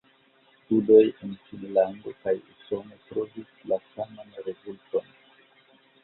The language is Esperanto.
Studoj en Finnlando kaj Usono trovis la saman rezulton.